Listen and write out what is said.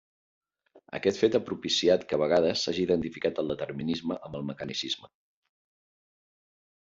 Aquest fet ha propiciat que, a vegades, s'hagi identificat el determinisme amb el mecanicisme.